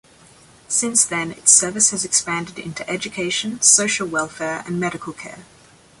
Since then its service has expanded into education, social welfare and medical care.